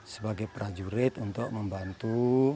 sebagai prajurit untuk membantu